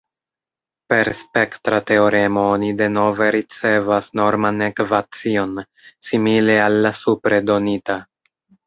Per spektra teoremo oni denove ricevas norman ekvacion simile al la supre donita.